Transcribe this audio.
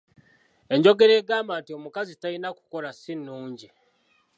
Enjogera egamba nti omukazi tayina kukola si nnungi.